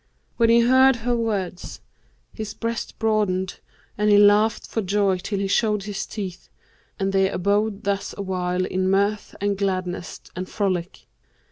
When he heard her words, his breast broadened and he laughed for joy till he showed his teeth; and they abode thus awhile in mirth and gladness and frolic.